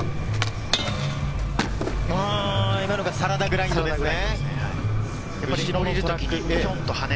今のがサラダグラインドですね。